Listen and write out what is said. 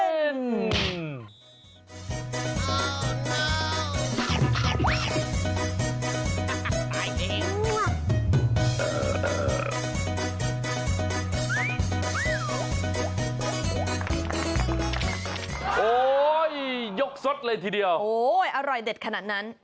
ลึกศึกเลยทีเดียวอร่อยเด็ดขนาดนั้น